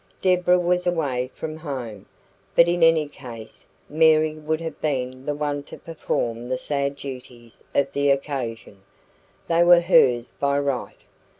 Deborah was away from home, but in any case Mary would have been the one to perform the sad duties of the occasion; they were hers by right.